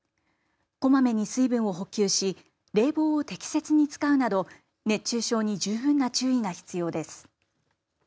こまめに水分を補給し冷房を適切に使うなど熱中症に十分な注意が必要です。